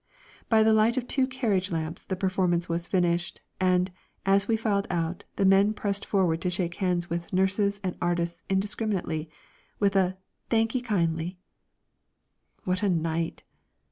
By the light of two carriage lamps the performance was finished, and, as we filed out, the men pressed forward to shake hands with nurses and artists indiscriminately, with a "Thank 'ee kindly " What a night!